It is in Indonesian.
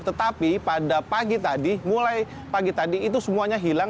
tetapi pada pagi tadi mulai pagi tadi itu semuanya hilang